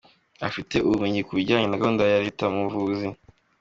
Kuba afite ubumenyi ku bijyanye na gahunda ya Leta mu buvuzi ;.